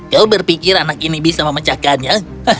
kau berpikir anak ini bisa memecahkannya